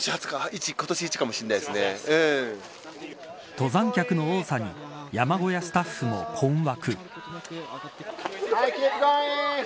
登山客の多さに山小屋スタッフも困惑。